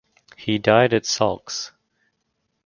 He died at Saulx.